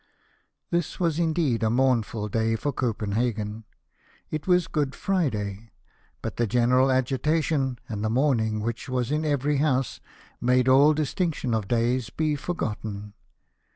This was indeed a mournful day for CojDcnhagen. It was Good Friday ; but the general agitation, and the mourning Avhich was in every house, made all dis tinction of days be forgotten.